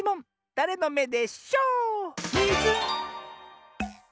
だれのめでショー⁉ミズン！